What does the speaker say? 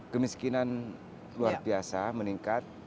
kemiskinan luar biasa meningkat